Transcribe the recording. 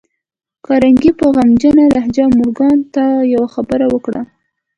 کارنګي په غمجنه لهجه مورګان ته يوه خبره وکړه.